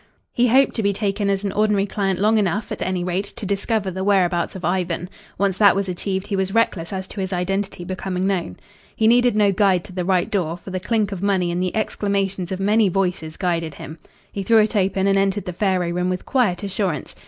He hoped to be taken as an ordinary client long enough, at any rate, to discover the whereabouts of Ivan. Once that was achieved he was reckless as to his identity becoming known. He needed no guide to the right door, for the clink of money and the exclamations of many voices guided him. He threw it open and entered the faro room with quiet assurance.